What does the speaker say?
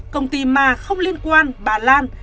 công ty ma không liên quan bà lan